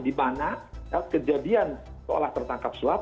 dimana kejadian seolah tertangkap suap